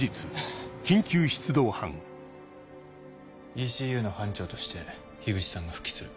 ＥＣＵの班長として口さんが復帰する。